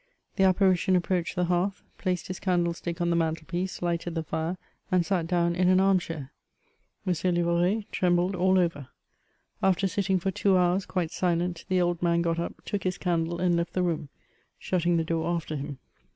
Ihe apparition approached the hearth, placed his candle stick on the mantel piece, lighted the fire, and sat down in an arm chair. M. Livoret trembled all over. After sitting for two hours, quite silent, the old man got up, took his candle, and left the room, shutting the door after him.